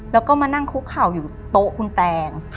แล้วก็มานั่งคุกเข่าอยู่โต๊ะคุณแตง